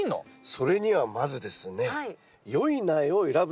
それにはまずですね